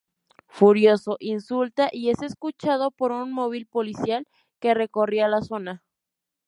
Furioso, insulta y es escuchado por un móvil policial que recorría la zona.